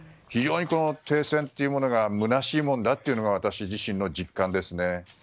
非常に停戦というものがむなしいものだというのが私自身の実感ですね。